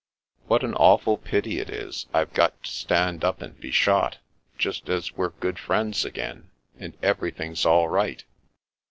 " What an awful pity it is I've got to stand up and be shot, just as we're good friends again, and everything's all right